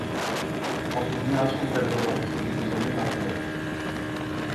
Quand une génération est abondante, il devient migrateur.